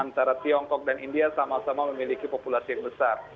antara tiongkok dan india sama sama memiliki populasi yang besar